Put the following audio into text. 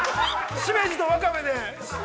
しめじとワカメで。